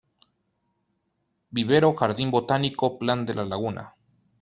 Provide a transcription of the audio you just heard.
Vivero Jardín Botánico Plan de la laguna.